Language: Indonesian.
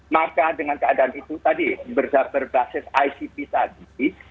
maka dengan keadaan itu tadi berbasis icp tadi